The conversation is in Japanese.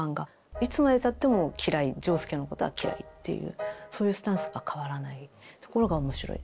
いつまでたっても嫌い仗助のことは嫌いというそういうスタンスが変わらないところがおもしろいです。